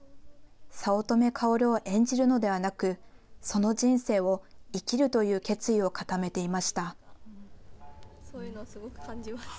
早乙女薫を演じるのではなく、その人生を生きるという決意を固めていました。